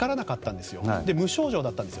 で、無症状だったんですよ